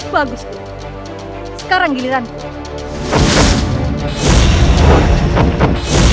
bagus bu sekarang giliran ku